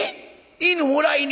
犬もらいに？